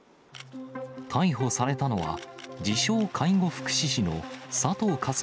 逮捕されたのは、自称介護福祉士の佐藤果純